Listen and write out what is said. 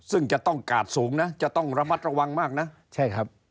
ซึ่งจะต้องกาดสูงนะจะต้องระมัดระวังมากนะใช่ครับ